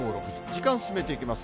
時間進めていきます。